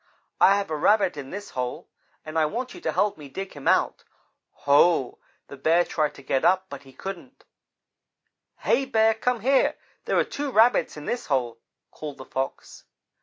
I have a Rabbit in this hole, and I want you to help me dig him out.' Ho! The Bear tried to get up, but he couldn't. "'Hey, Bear, come here there are two Rabbits in this hole,' called the Fox.